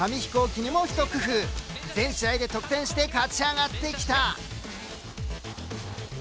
全試合で得点して勝ち上がってきた。